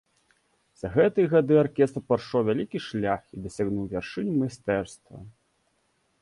За гэтыя гады аркестр прайшоў вялікі шлях і дасягнуў вяршынь майстэрства.